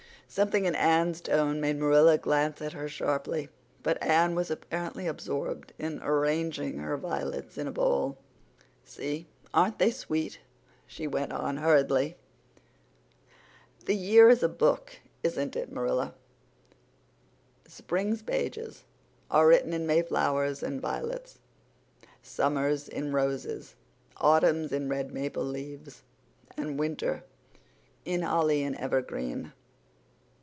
Something in Anne's tone made Marilla glance at her sharply, but Anne was apparently absorbed in arranging her violets in a bowl. "See, aren't they sweet?" she went on hurriedly. "The year is a book, isn't it, Marilla? Spring's pages are written in Mayflowers and violets, summer's in roses, autumn's in red maple leaves, and winter in holly and evergreen."